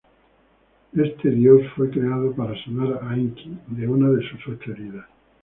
Este dios fue creado para sanar a Enki de una de sus ocho heridas.